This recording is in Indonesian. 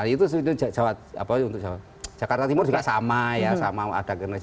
itu untuk jakarta timur juga sama ya sama ada generasi